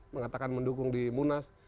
mengatakan mendukung di munas